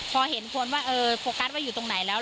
พอเห็นคนว่าโฟกัสว่าอยู่ตรงไหนแล้ว